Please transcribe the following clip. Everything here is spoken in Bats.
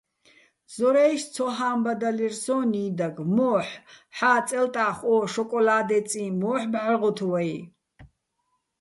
ზორაჲში̆ ცოჰა́მბადალირ სოჼ ნი́დაგ: მოჰ̦, ჰ̦ა წელტა́ხ ო შოკოლა́დეწი მო́ჰ̦ ბჵარღოთ ვაჲ?